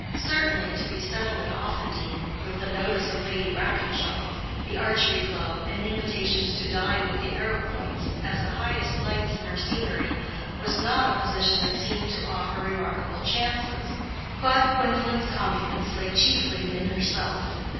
Certainly, to be settled at Offendene, with the notice of Lady Brackenshaw, the archery club, and invitations to dine with the Arrowpoints, as the highest lights in her scenery, was not a position that seemed to offer remarkable chances; but Gwendolen's confidence lay chiefly in herself.